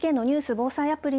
・防災アプリ